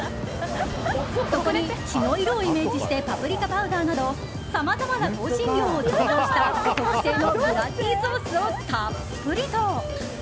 そこに血の色をイメージしてパプリカパウダーなどさまざまな香辛料を調合した特製のブラッディソースをたっぷりと。